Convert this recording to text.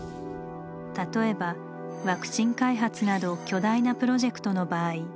例えばワクチン開発など巨大なプロジェクトの場合。